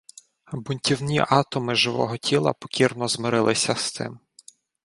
Бунтівні атоми живого тіла покірно змирилися з цим.